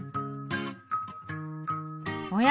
おや？